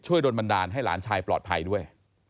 โดนบันดาลให้หลานชายปลอดภัยด้วย